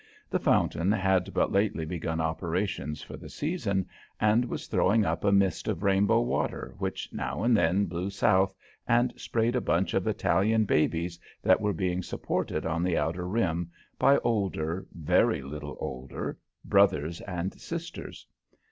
The fountain had but lately begun operations for the season and was throwing up a mist of rainbow water which now and then blew south and sprayed a bunch of Italian babies that were being supported on the outer rim by older, very little older, brothers and sisters.